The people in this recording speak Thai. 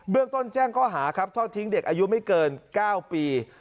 เรื่องต้นแจ้งข้อหาครับทอดทิ้งเด็กอายุไม่เกิน๙ปี